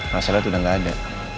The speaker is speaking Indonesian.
hasilnya tuh udah gak ada